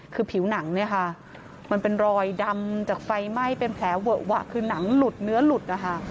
คือผิวหนังเนี่ยค่ะมันเป็นรอยดำจากไฟไหม้เป็นแผลเวอะหวะคือหนังหลุดเนื้อหลุดนะคะ